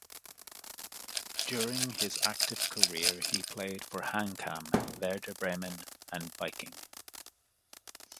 During his active career he played for HamKam, Werder Bremen and Viking.